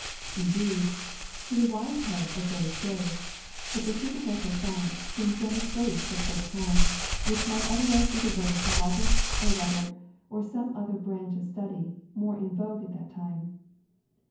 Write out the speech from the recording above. Indeed, to the wise heads of those days, the pursuit of natural science seemed so much waste of good time which might otherwise be devoted to logic or rhetoric or some other branch of study more in vogue at that time.